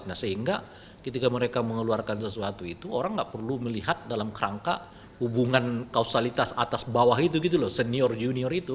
nah sehingga ketika mereka mengeluarkan sesuatu itu orang nggak perlu melihat dalam kerangka hubungan kausalitas atas bawah itu gitu loh senior junior itu